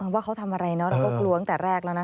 ว่าเขาทำอะไรเนอะเราก็กลัวตั้งแต่แรกแล้วนะ